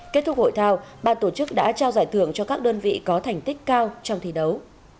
kết thúc hội thao ban tổ chức đã trao giải thưởng cho các đơn vị có thành tích cao trong thi đấu